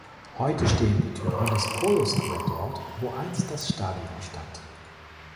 Heute stehen die Türme des Polo Square dort, wo einst das Stadion stand.